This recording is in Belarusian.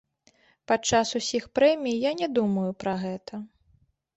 Падчас усіх прэмій я не думаю пра гэта.